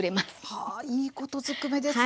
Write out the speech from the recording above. はあいいことずくめですね。